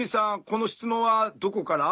この質問はどこから？